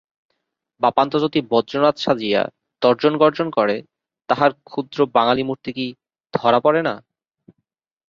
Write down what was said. বাপান্ত যদি বজ্রনাদ সাজিয়া তর্জনগর্জন করে, তাহার ক্ষুদ্র বাঙালিমূর্তি কি ধরা পড়ে না।